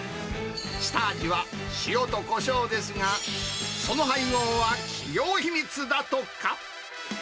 下味は塩とこしょうですが、その配合は企業秘密だとか。